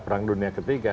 perang dunia ketiga